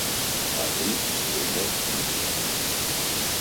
Алый унэ иӏ.